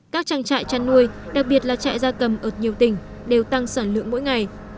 các trang trại chăn nuôi đặc biệt là trại gia cầm ở nhiều tỉnh đều tăng sản lượng mỗi ngày